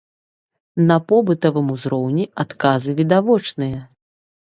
На побытавым узроўні адказы відавочныя.